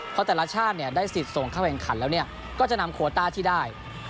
เพราะแต่ละชาติได้สิทธิ์ส่งเข้าแข่งขันแล้วก็จะนำโคต้าที่ได้